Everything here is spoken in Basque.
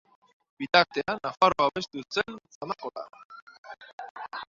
Bitartean, Nafarroan babestu zen Zamakola.